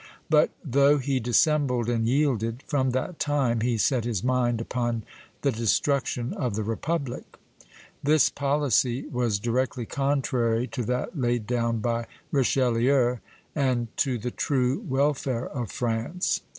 But, though he dissembled and yielded, from that time he set his mind upon the destruction of the republic. This policy was directly contrary to that laid down by Richelieu, and to the true welfare of France.